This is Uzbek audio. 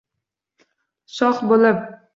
Shoh bo’lib